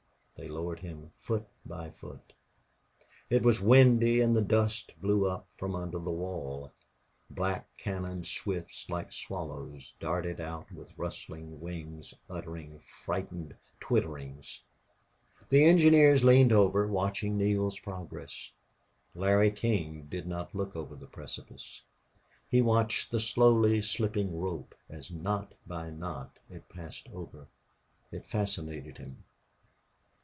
They lowered him foot by foot. It was windy and the dust blew up from under the wall. Black cañon swifts, like swallows, darted out with rustling wings, uttering frightened twitterings. The engineers leaned over, watching Neale's progress. Larry King did not look over the precipice. He watched the slowly slipping rope as knot by knot it passed over. It fascinated him.